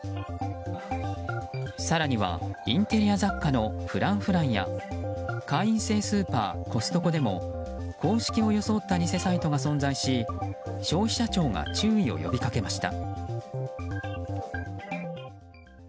更にはインテリア雑貨のフランフランや会員制スーパー、コストコでも公式を装った偽サイトが存在し消費者庁が注意を呼びかけました。